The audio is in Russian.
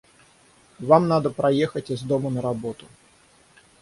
Вам надо проехать из дома на работу